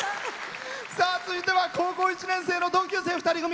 続いては高校１年生の同級生２人組。